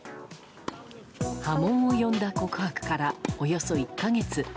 波紋を呼んだ告白からおよそ１か月。